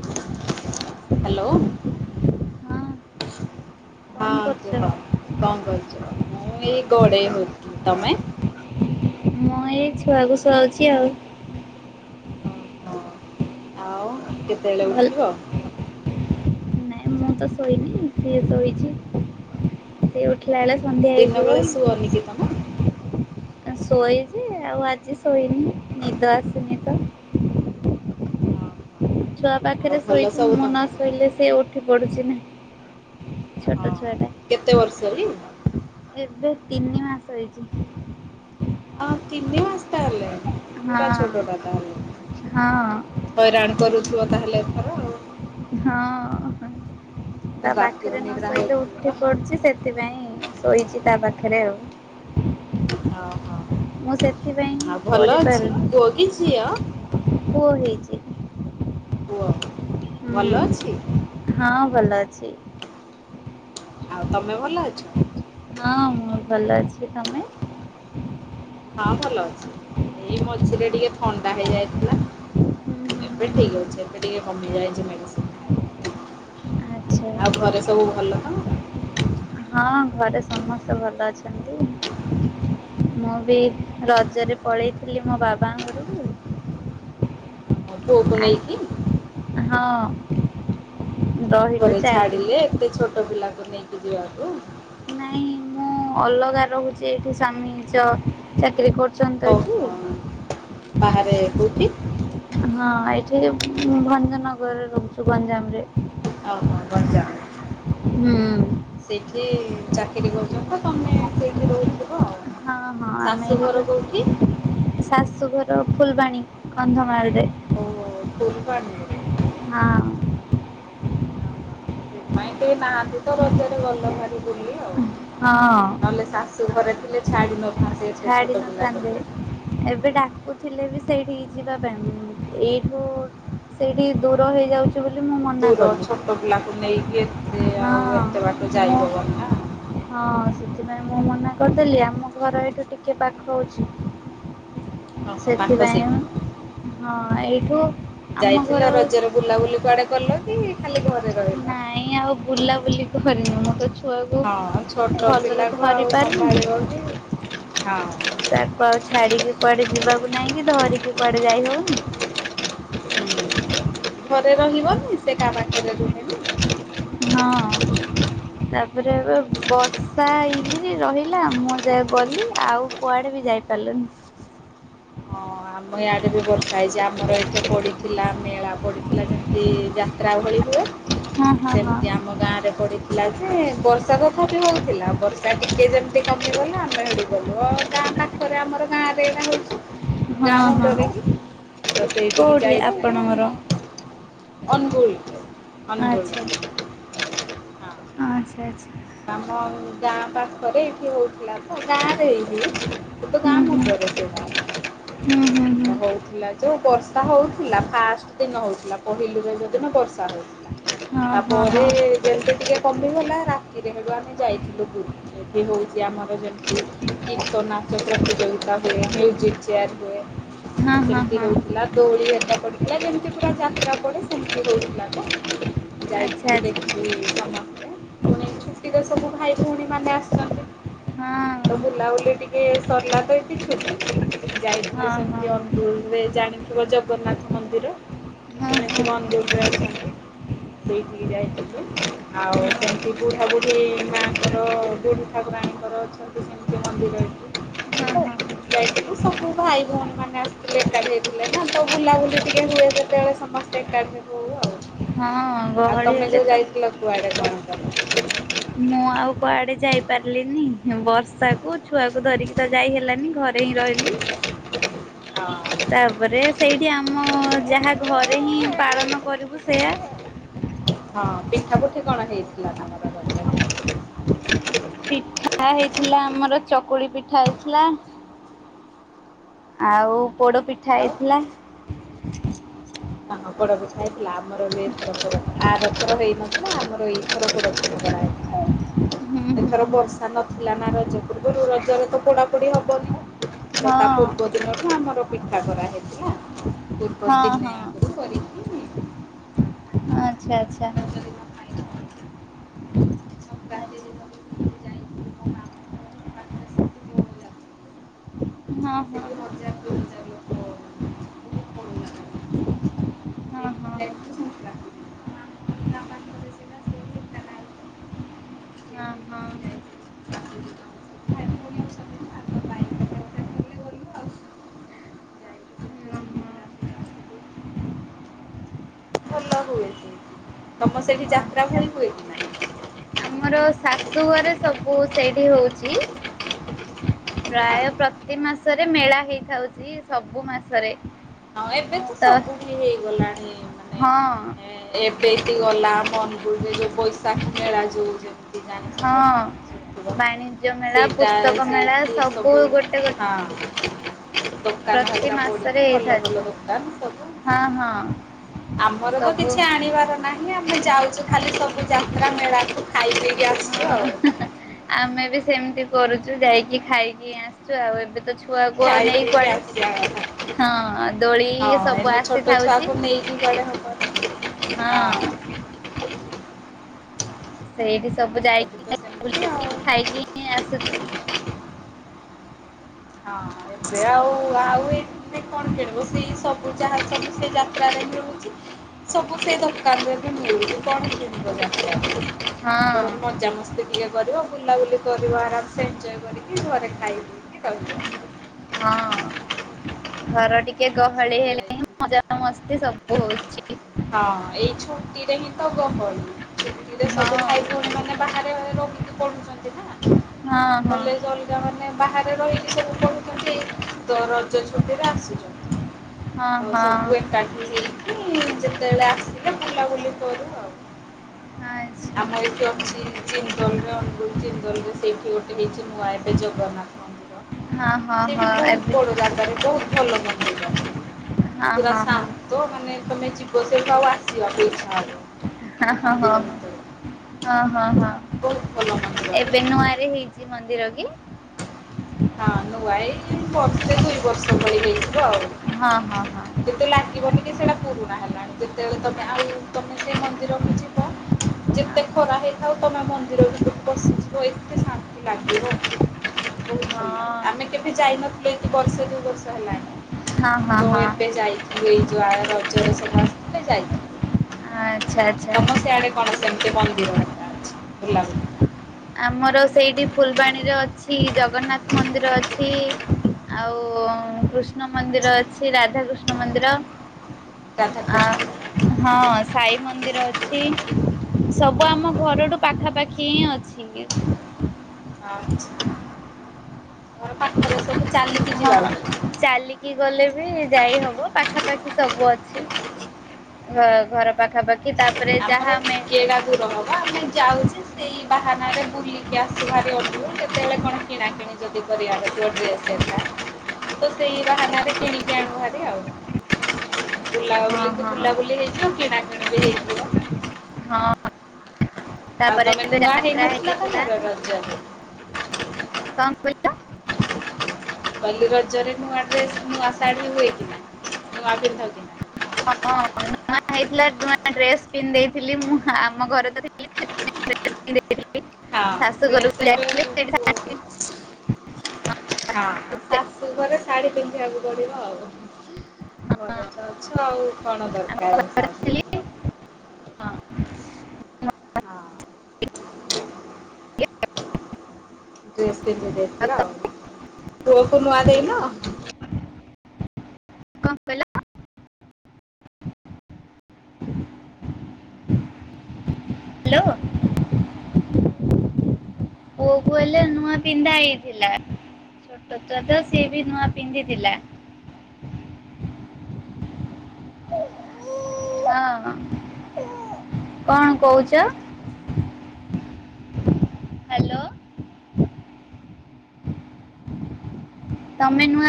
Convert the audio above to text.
Hello. ହଁ କଣ ହଁ, କରୁଛ? କୁହ କଣ କରୁଛ? ମୁଁ ଏଇ ଗଡେଇ ହଉଥିଲି ତମେ? ମୁଁ ଏଇ ଛୁଆକୁ ଶୁଆଉଛି ଆଉ। ଓହୋ ଆଉ କେତେବେଳେ ଭଲ ଉଠିବ? ନାଇଁ ମୁଁ ତ ଶୋଇନି, ସିଏ ଶୋଇଚି। ସେ ଉଠିଲା ବେଳେ ସନ୍ଧ୍ୟା ଦିନ ବେଳେ ଶୁଅନି କି ତମେ? ହେଇଯିବ। ଶୋଏଯେ ଆଉ ଆଜି ଶୋଇନି ନିଦ ଆସିନି ତ। ଓ ହୋ। ଛୁଆ ପାଖରେ ଶୋଇଚି ମୁଁ ନ ଶୋଇଲେ ସେ ଉଠି ପଡ଼ୁଚି ନା। ଛୋଟ ହଁ। ଛୁଆ କେତେ ବର୍ଷ କି? ଟା। ଏବେ ତିନି ମାସ ହେଇଚି। ହଁ, ତିନି ମାସ ହେଲାଣି ପୁରା ହଁ ଛୋଟ ଟା ତାହାଲେ ହଁ ହଇରାଣ କରୁଥିବ ତାହେଲେ ଏଥର ଆଉ। ହଁ, ତା ରାତି ପାଖରେ ନ ଅନିଦ୍ରା ଶୋଇଲେ ହଉଥିବ। ଉଠି ପଡ଼ୁଚି। ସେଥ୍ ସେଥିପାଇଁ ଶୋଇଚି ତା ପାଖରେ ଆଉ। ଓହୋ। ମୁଁ ସେଥିପାଇଁ ଆଉ ଭଲ ଅଛି କରିପାରୁନି। ପୁଅ କି ଝିଅ? ପୁଅ ହେଇଚି। ପୁଅ ଭଲ ଅଛି? ହଁ, ଭଲ ଅଛି। ଆଉ ତମେ ଭଲ ଅଛ? ହଁ, ମୁଁ ଭଲ ଅଛି। ତମେ? ହଁ, ଭଲ ଅଛି। ଏଇ ମଝିରେ ଟିକେ ଥଣ୍ଡା ହେଇଯାଇଥିଲା। ହୁଁ ହୁଁ ଏବେ ହୁଁ। ଠିକ୍ ଅଛି। ଏବେ ଟିକେ କମି ଯାଇଚି ମେଡିସିନ ଖାଇଲା ଆଚ୍ଛା [unintelligible] ଆଉ ଘରେ ସବୁ ଭଲ ତ? ହଁ, ଘରେ ସମସ୍ତେ ଭଲ ଅଛନ୍ତି। ମୁଁ ବି ରଜରେ ପଳେଇଥିଲି ମୋ ବାବାଙ୍କ ଘରୁକୁ। ଆଉ ପୁଅକୁ ନେଇକି। ହଁ। ରହିଲୁ ଘରେ ଚାରି ଦିନ। ଛାଡିଲେ ଏତେ ଛୋଟ ପିଲାକୁ ନେଇକି ଯିବାକୁ? ନାଇଁ ମୁଁ ଅଲଗା ରହୁଚି ଏଇଠି ସ୍ୱାମୀ ଜବ୍ ଚାକିରି କରୁ ଓହୋ ବାହାରେ କୋଉଠି? ହଁ, ଏଇଠି ଭଞ୍ଜନଗରରେ ରହୁଚୁ ଗଞ୍ଜାମ ରେ। ଓହୋ ଗଞ୍ଜାମ ରେ। ହୁଁ। ସେଇଠି ଚାକିରି କରୁଚନ୍ତି ତ ତମେ ସେଇଠି ରହୁଥିବ ଆଉ। ହଁ, ହଁ ଆମେ ଶାଶୁ ଘର ଦିଜଣ। କୋଉଠି? ଶାଶୁଘର ଫୁଲବାଣୀ କନ୍ଧମାଳରେ। ଓହୋ ଫୁଲବାଣୀରେ? ହଁ। ସେ ପାଇଁ ଟିକେ ନାହାଁନ୍ତି ତ ରଜରେ ଗଲ ଭାରି ବୁଲି ଆଉ। ହଁ। ନହେଲେ ଶାଶୂଘରେ ଥିଲେ ଛାଡି ନଥାନ୍ତେ, ଏତେ ଛାଡି ଛୋଟ ପିଲା ନଥାନ୍ତେ ବୋଲି। ଏବେ ଡାକୁଥିଲେ ବି ସେଇଠିକି ଯିବା ପାଇଁ, ଉମ୍ ଏଇଠୁ ସେଇଠିକି ଦୂର ହେଇଯାଉ ଛି ବୋଲି ମୁଁ ମନା ଦୂର, କଲି ଛୋଟ ପିଲାକୁ ନେଇକି ଏତେ ହଁ ଆଉ ଏତେ ବାଟ ମୁଁ ଯାଇହବନି ନା। ହଁ ସେଥିପାଇଁ ମୁଁ ମନା କରିଦେଲି, ଆମ ମାମୁଁଘର ଏଇଠୁ ଟିକେ ପାଖ ହଉଛି, ଓହୋ ପାଖ ସେଥିପାଇଁ ବା। ସେଇଠି। ହଁ ଏଇଠୁ ଆମ ଘର ଯାଇଥିଲ ରଜରେ ବୁଲାବୁଲି କୁଆଡେ କଲ କି ଖାଲି ଘରେ ରହିଲ? ନାଇଁ ଆଉ ବୁଲାବୁଲି କରିନି ମୁଁ ତ ଛୁଆକୁ ହଁ ଭଲରେ ଛୋଟପିଲାକୁ ଧରି ଆଉ ପାରୁନି ସମ୍ଭାଳିବ କିଏ? ହଁ। ତାକୁ ଆଉ ଛାଡିକି କୁଆଡେ ଯିବାକୁ ନାଇଁ କି ଧରିକି କୁଆଡେ ଯାଇ ହଉନି? ଘରେ ରହିବନି, ସେ କାହା ପାଖରେ ରୁହେନି। ହଁ। ତାପରେ ଏବେ ବର୍ଷା ହେଇକିରି ରହିଲା, ମୁଁ ଯାଏ ଗଲି ଆଉ କୁଆଡେ ବି ଯାଇ ପାରିଲୁନି। ହଁ ଆମ ଇଆଡ଼େ ବି ବର୍ଷା ହେଇଚି। ଆମର ଏଇଠି ତ ପଡ଼ିଥିଲା ମେଳା ପଡ଼ିଥିଲା, ଯେମତି ଯାତ୍ରା ଭଳି ହୁଏ ହଁ ହଁ ହଁ ସେମତି ଆମ ଗାଁରେ ପଡି ଥିଲା ଯେ ବର୍ଷାକୁ ତଥାପି ହଉଥିଲା, ବର୍ଷା ଟିକେ ଯେମତି କମିଗଲା ଆମେ ହେଇଠୁ ଗଲୁ ଆଉ ଗାଁ ପାଖ ଖରେ ଆମର ଗାଁରେ ଏଇନା ହଉଚି ଗାଁ ହଁ ମୁୁଣ୍ଡରେ ହଁ। କି, ତ ସେଇଠିକି କୋଉଠି ଯାଇଥିଲୁ ଆପଣଙ୍କର? ମୁଁ ଅନଗୁଲ ଅନୁଗୋଳରେ। ହଁ, ଆଚ୍ଛା ଆଚ୍ଛା। ଆମ ଗାଁ ପାଖରେ ଏଇଠି ହଉଥିଲା ତ ଗାଁରେ ଏଇ ଇଏ ତୁ ତ ଗାଁ ହୁଁ ହୁଁ ମୁଣ୍ଡରେ ହୁଁ ହୁଁ ହୁଁ। [unintelligible] ହଉ ଥିଲା, ଯୋଉ ବର୍ଷା ହଉଥିଲା ଫାଷ୍ଟ ଦିନ ହଉଥିଲା, ପହିଲି ରଜ ଦିନ ବର୍ଷା ହଉଥିଲା। ହଁ ହଁ ତାପରେ ହଁ ଯେମିମତି ଟିକେ କମିଗଲା ରା ରାତିରେ ହେଇଠୁ ଆମେ ଯାଇଥିଲୁ ବୁଲି। ଏଠି ହଉଛି ଆମର ଯେମତି ଗୀତ, ନାଚ ପ୍ରତିଯୋଗିତା ହୁଏ, ମ୍ୟୁଜିକ୍ ଚେୟାର ହୁଏ, ହଁ ହଁ ସେମତି ହଁ ହଉଥିଲା। ଦୋଳି ହେରିକା ପଡ଼ିଥିଲା, ଯେମତି ପୁରା ଯାତ୍ରା ପଡ଼େ, ସେମତି ହେଇଥିଲା ବା। ଆଚ୍ଛା ଯାଇଥିଲି ଆଚ୍ଛା ଦେଖି [unintelligible] ପୁଣି ଛୁଟିରେ ସବୁ ଭାଇ ଭଉଣୀମାନେ ଆସିଛନ୍ତି ହଁ। ତ ବୁଲାବୁଲି ଟିକେ ସରିଲା ତ ଏଠି [unintelligible] ଯାଇଥିଲୁ ହଁ ହଁ ହଁ ସେମତି ଅନୁଗୁଳରେ ଜାଣି ଶିବ ଜଗନ୍ନାଥ ମନ୍ଦିର ହଁ ହଁ [unintelligible] ଅନୁଗୁଳରେ ଅଛନ୍ତି ସେଇଠିକି ଯାଇଥିଲୁ ଆଉ ହଁ ସେମତି ପୁ ଦେବୀ ମାଆଙ୍କର, ବୁଢୀ ଠାକୁରାଣୀଙ୍କର ଅଛନ୍ତି ସେମତି ମନ୍ଦିର ଏଠି। ହଁ ହଁ। ଯାଇଥିଲୁ। ସବୁ ଭାଇ ଭଉଣୀମାନେ ଆସିଥିଲେ ଏକାଠି ହେଇଥିଲେ ନା, ତ ବୁଲାବୁଲି ଟିକେ ହୁଏ ଯେତେବେଳେ ସମସ୍ତେ ଏକାଠି ହଉ ଆଉ। ହଁ ଆଉ ଗହଳି ତମେ ହେଲେ ଯୋଉ ତ ଯାଇଥିଲ କୁଆଡେ କଣ କଲ? ମୁଁ ଆଉ କୁଆଡେ ଯାଇପାରିଲିନି ବର୍ଷାକୁ ଛୁଆକୁ ଧରିକି ତ ଯାଇ ହେଲାନି, ଘରେ ହିଁ ରହିଲି ହଁ ତାପରେ ସେଇଠି ଆମ ଯାହା ଘରେ ହିଁ ପାଳନ କରିବୁ ସେୟା ହଁ, ପିଠା ପୁଠି କଣ ହେଇଥିଲା ତମର ରଜ ପର୍ବରେ? [unintelligible] ପିଠା ହେଇଥିଲା ଆମର ଚକୁଳି ପିଠା ହେଇଥିଲା ଆଉ ପୋଡ ପିଠା ଆଉ ହେଇଥିଲା। ତମର ପୋଡପିଠା ହେଇଥିଲା ଆମର ବି ଏଥରକର ଆରଥର ହେଇନଥିଲା ଆମର ଏଇଥର ପୋଡପି ଠା ହେଇଥିଲା ହୁଁ ହୁଁ ଏଥର ହୁଁ ବର୍ଷା ନଥିଲା ନା ରଜ ପୂର୍ବରୁ ରଜରେ ତ ପୋଡା ପୋଡି ହବନି। ହଁ ତ ତା ପୂର୍ବ ଦିନଠୁ ଆମର ପିଠା କରା ହେଇଥିଲା ପୂର୍ବ ହଁ ଦିନେ ହଁ [inaudible] ଆଛା ଆଛା। ସଂକ୍ରାନ୍ତି ଆଚ୍ଛା ଦିନ ବି ମୁଁ ଏମିତି ଯାଇଥିଲି ମୋ ମାମୁଁଙ୍କ ଘର ପାଖେରେ ସେମତି [unintelligible] ହେଲା। ହଁ ହଁ ହଁ ହଁ ସେଇ ମଜା [unintelligible] [unintelligible] ମୋ ହଁ ମାମୁଁ ଘର ଗାଁ ପାଖେରେ। [inaudible] ତ ହଁ। ହଁ ସେଇଠି ଭାଇ ଭଉଣି ଅଛନ୍ତି ନା ତ ବାଇକ ଗୋଟେ ଗୋଟେ ଧରିଲେ ଗଲୁ ଆଉ। ଯାଇକି ବୁଲି ହଁ। ବୁଲିକି ରାତିରେ ଆସିଲୁ। ଭଲ ହୁଏ ସେଇଠି ତମ ସେଇଠି ଯାତ୍ରା ଭଳି ହୁଏ କି ନାହିଁ? ଆମର ଶାଶୁଘରେ ସବୁ ସେଇଠି ହି ହଉଚି। ହଁ ପ୍ରାୟ ପ୍ରତି ମାସରେ ମେଳା ହେଇଥାଉଚି ସବୁ ମାସରେ। ହଁ ଏବେ ତ ସବୁଠି ହେଇଗଲାଣି ମାନେ ହଁ ଏଁ ଏବେଟୁ ଗଲା ମଞ୍ଜୁଜେରେ ବୈଶାଖୀ ମେଳା ଯୋଉ ଜା ଜାଣିିଥିବ ହଁ ଶୁଣିଥିବ ବାଣିଜ୍ୟ ମେଳା ସେଇଟା ପୁସ୍ତକ ମେଳା ସେଉଠୁ ସବୁ ଗୋଟେ ଗୋଟେ ହଁ। ଦୋକାନ ପ୍ରତି ହେରିକା ମାସରେ ପଡିକି ଭଲ ହେଇଥାଉଛି ଭଲ ଦୋକାନ ସବୁ ହଁ ହଁ ଆମର ତ ସବୁ କିଛି ଆଣିବାର ନା ହିଁ ଆମେ ଯାଉଚୁ ଖାଲି ସବୁ ଯାତ୍ରା ମେଳାକୁୁ ଖାଇ ପିଇକି ଆସଚୁ ଆଉ। ହଁ ଆମେ ବି ସେମତି କରୁଚୁ ଯାଇକି ଖାଇକି ଆସୁଚୁ ଆଉ ଏବେ ତ ଛୁ ଖାଇ ପିଇକି ଆସିବା କଥା ହଁ ଦୋଳି ହଁ ସବୁ ଏଇନେ ଛୋଟ ଆସିଥାଉଛି ଛୁଆକୁ ନେଇକି ଗଲେ [unintelligible] ହଁ। ସେଇଠି ସବୁ ଆମର ବି ତ ଯାଇକି ସେମିତି ବୁଲକି ଆଉ ଖାଇକି ଇଁ ଆସୁଚୁ। ହଁ ଏବେ ଆଉ ଆଉ ଏ ଏମତି କଣ କିଣିବୁ ସେଇ ସବୁ ଯାହା ସବୁ ସେଇ ଯାତ୍ରାରେ ମିଳୁଚି ସବୁ ସେ ଦୋକାନରେ ବି ମିଳୁଚି କଁ ବି କିଣବ ଯାତ୍ରାରୁ ବରଂ ହଁ ମଜା ମସ୍ ତି ଟିକେ କରିବ ବୁଲାବୁଲି କରିବ ଆରାମ୍ ସେ ଏଞ୍ଜୟ୍ କରିକି ଘରେ ଖାଇ ପିଇକି ରହିବ। ହଁ ଘର ଟିକେ ଆମେ ଗହଳି ସେମିତି ହେଲେ ହିଁ ଯାଇଥିଲୁ। ମଜା ମସ୍ତି ସ ବୁ ହଉଚି। ହଁ ଏଇ ଛୁଟିରେ ହିଁ ତ ଗହଳି। ଛୁଟିରେ ହଁ ସବୁ ଭାଇ ଭଉଣୀମାନେ ବାହାରେ ରହିକି ପଢୁଚନ୍ତି ନା ହଁ ହଁ କଲେଜ ଅଲଗାମାନେ ବାହାରେ ରହିକି ସବୁ ପଢୁଚନ୍ତି ଏଇ ଦ ରଜ ଛୁଟିରେ ଆସୁ ହ [inaudible] ହଁ ହଁ। ସାଥି ହେଇକି ଯେତେବେଳେ ଆସିଲେ ବୁଲା ବୁଲି କରୁ ଆଉ। ଆଛା। ଯୋଉ ଚୀନ୍ ଜିନ୍ଦଲରେ ଅନୁଗୁଳ ଜିନ୍ଦଲରେ ସେଇଠି ଗୋଟେ ହେଇଚି ନୂଆ ଏବେ ଜଗନ୍ନାଥ ମନ୍ଦି ର ହଁ ହଁ ସେଇଠି ହଁ ବୋହୁତ ଏବେ ବଡ ଜାଗାରେ ବୋହୁତ ଭଲ ମନ୍ଦିର। ହଁ ହଁ ହଁ। ତୋ ମାନେ ତମେ ଯିବ ସେଇଠି ଆଉ ଆସିବାକୁ ଇଛା ହବ ହାଁ ସେ ହାଁ ହଁ ମନ୍ଦିର ଭିତରେ ହଁ ହଁ ହଁ ହଁ ବହୁତ ଭଲ ମନ୍ଦିରଟେ ଏବେ ନୂଆରେ ହେଇ ଚି ମନ୍ଦିର କି? ହଁ ନୂଆ ଏଇ ବର୍ଷେ ଦୁଇ ବର୍ଷ ଭଳି ହେଇଯିବ ଆଉ। ହଁ ହଁ ହଁ। ଯେତେ ଲାଗିବନି କି ସେଇଟା ପୁରୁଣା ହେଲାଣି ଯେତେବେଳେ ତମେ ଆଇ ତମେ ସେ ମନ୍ଦିରକୁ ଯିବ ହଁ ଯେତେ ହଁ। ଖରା ହେଇଥାଉ ତମେ ମନ୍ଦିର ଭିତରକୁ ପଶିଯିବ ଏତେ ଶାନ୍ତି ଲାଗିବ। ବହୁତ ଭଲ ଆମେ କେବେ ଯାଇନଥିଲୁ ଏଠି ବର୍ଷ ଦୁଇ ବର୍ଷ ହେଲାଣି। ହଁ ହଁ ତ ହଁ ଏବେ ଯାଇଥିଲି ଏଇଯୋ ଆର ରଜରେ ସବୁ ଆସିଥିଲେ ଆଚ୍ଛା ଯାଇଥିଲି। ଆଚ୍ଛା। ତମ ସେ ଆଡେ କଣ ସେମିତି ମନ୍ଦିର କଥା ଅଛି ଭଲ ଲାଗୁ ଆମର ସେଇଠି ଫୁଲବାଣୀରେ ଅଛି ଜଗନ୍ନାଥ ମନ୍ଦିର ଅଛି। ଆଉ କୃଷ୍ଣ ଆଚ୍ଛା ମନ୍ଦିର ଅଛି ରାଧାକୃଷ୍ଣ ମନ୍ଦିର। ଆ ରାଧାକୃଷ୍ଣ। ହଁ ସାଇ ମନ୍ଦିର ଅଛି। ସବୁ ଆମ ଘରଠୁ ପାଖାପାଖି ହିଁ ଅଛି। ହ ତମର ପାଖରେ ସବୁ ଚାଲିକି ହଁ ଯିବାକୁ। ପଡିବ। ଚାଲିକି ଗଲେ ବି ଯାଇ ହବ ପାଖାପାଖି ସବୁ ଅଛି। ଘ ଘର ପାଖାପାଖି ତା ଆମର ଟିକେ ଗାଁ ଦୂର ହବ ଆମେ ଯାଉଛି ସେଇ ବାହାନାରେ ବୁଲିକି ଆସି ଭାବେ ବସି ବୁ କେତେବେଳେ କଣ କିଣାକିିଣି [unintelligible] ତ ସେଇ ବାହାନାରେ କିଣିକି ଆଣୁଭାରି ଆଉ। ହଁ ବୁଲାବୁଲି କୁ ହଁ ବୁଲାବୁଲି ହେଇଯିବ କିଣାକିଣି ବି ହେଇ ହଁ ଆଉ ତାପରେ ତମେ ଏବେ ନୂଆ ଯାତ୍ରା ହେଇନଥିଲ ହେଇଥିଲା। ତମର ରଜରେ? କଣ କହିଲ। କାଲି ରଜରେ ନୂଆ ଡ୍ରେସ ନୂଆ ଶାଢ଼ୀ ହୋଇଥିଲା ନୂଆ ପିନ୍ଧନ୍ତି ନା। ହଁ ନୂଆ ହେଇଥିଲା ନୂଆ ଡ୍ରେସ୍ ପିନ୍ଧେଇଥିଲି ମୁଁ ଆମ ଘରେ ତ ଥିଲି। ଡ୍ରେସ ପିନ୍ଧି ଦେଇଥିଲି ହଁ ଶାଶୁ ଡ୍ରେସ୍‌ ଘରକୁ ଏବେ ଯାଇଥିଲି ସେଇଠି ଶାଢ଼ୀ ପୂଅକୁ ହଁ ପିନ୍ଧି ଶାଶୁ ଘରେ ଶାଢୀ ପିନ୍ଧିବାକୁ ପଡିବ ଆଉ। ହଁ ଘରେ ତ ଅଛ ଆଉ କଣ ଆମ ଦରକାର ଘରେ ସାଢି। ଥିଲି ହଁ। ହଁ। ଡ୍ରେସ ପିନ୍ଧିଦେଇଥିଲ ଆଉ ପୁଅକୁ ନୂଆ ଦେଇନ। କଣ କହିଲ। ହ୍ୟାଲୋ। ପୁଅ କୁ ହେଲେ ନୂଆ ପିନ୍ଧା ହେଇଥିଲା। ଛୋଟ ଛୁଆ ତ ସିଏ ବି ନୂଆ ପିନ୍ଧିଥିଲା। ହଁ କଣ କଉଚ। ହ୍ୟାଲୋ ତମେ ନୂଆ